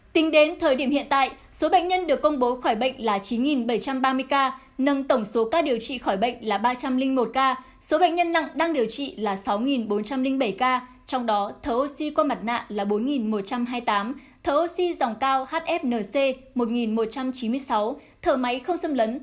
tính đến thời điểm hiện tại số bệnh nhân được công bố khỏi bệnh là chín bảy trăm ba mươi ca nâng tổng số ca điều trị khỏi bệnh là ba trăm linh một ca số bệnh nhân nặng đang điều trị là sáu bốn trăm linh bảy ca trong đó thở oxy qua mặt nạ là bốn một trăm hai mươi tám thở oxy dòng cao hfnc một một trăm chín mươi sáu thở máy không xâm lấn